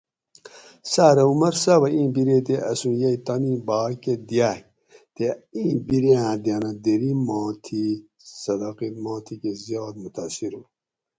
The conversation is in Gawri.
ساۤرہ عمر صاۤبہ ایں بیرے تے اسوں یئ تانی با کہ دیاگ تے ایں بیریاں دیانت دیری ما تھی تے صداقت ما تھی کہ زیات متاثر ھو